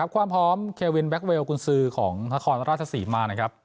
ความพร้อมเควินแก๊เวลกุญซือของนครราชศรีมานะครับ